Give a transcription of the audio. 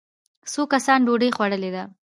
څو کسانو ډوډۍ خوړلې ده.